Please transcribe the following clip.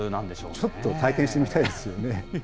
ちょっと体験してみたいですよね。